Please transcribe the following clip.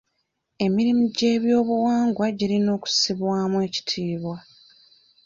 Emirimu gy'ebyobuwangwa girina okussibwamu ekitiibwa.